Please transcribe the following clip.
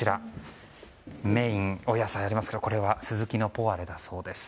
メイン、お野菜ありますけどもこれはスズキのポワレだそうです。